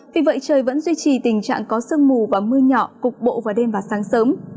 vì vậy trời vẫn duy trì tình trạng có sương mù và mưa nhỏ cục bộ vào đêm và sáng sớm